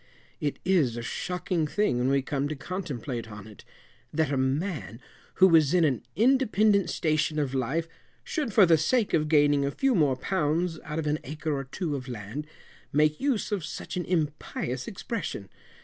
It is a shocking thing when we come to contemplate on it, that a man, who was in an independant station of life, should, for the sake of gaining a few more pounds out of an acre or two of land, make use of such an impious expression.